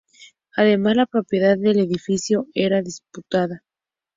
Además la propiedad del edificio era disputada.